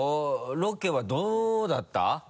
ロケはどうだった？